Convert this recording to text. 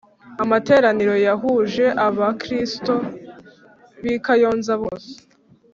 amateraniro yahuje aba kristu bikayonza bose